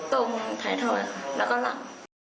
ตรงท้ายท้ายแล้วก็หลัง